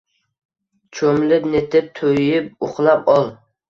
Cho`milib-netib, to`yib uxlab ol